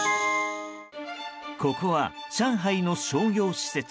ここは上海の商業施設。